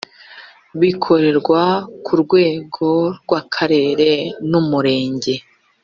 bikorerwa ku rwego rw’akarere n’umurenge